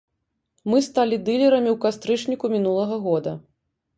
Мы сталі дылерамі ў кастрычніку мінулага года.